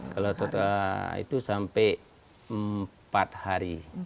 kalau total itu sampai empat hari